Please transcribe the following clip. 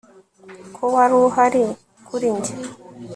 ko wari uhari kuri njye